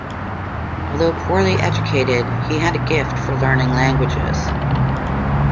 Although poorly educated he had a gift for learning languages.